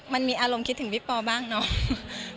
มันมีอารมณ์คิดถึงพี่ปอบ้างเนาะ